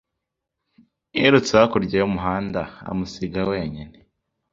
Yirutse hakurya y'umuhanda, amusiga wenyine.